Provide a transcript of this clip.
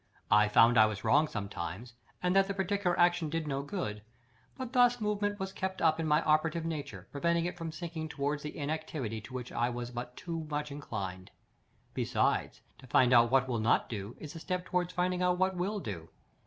I found I was wrong sometimes, and that the particular action did no good; but thus movement was kept up in my operative nature, preventing it from sinking towards the inactivity to which I was but too much inclined. Besides, to find out what will not do, is a step towards finding out what will do.